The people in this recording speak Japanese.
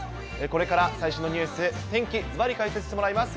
これから最新のニュース、天気、ずばり解説してもらいます。